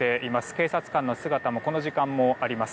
警察官の姿もこの時間もあります。